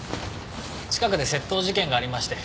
近くで窃盗事件がありまして。